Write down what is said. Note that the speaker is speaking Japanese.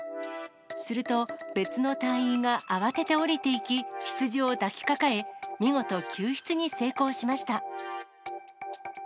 すると、別の隊員が慌てて降りていき、羊を抱きかかえ、見事、救出に成功しました。